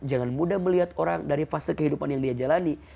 jangan mudah melihat orang dari fase kehidupan yang diajalani